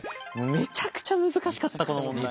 めちゃくちゃ難しかったこの問題。